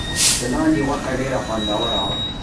د لاندي غوښه ډیره خوندوره وي.